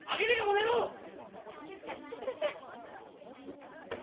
静かにしてください！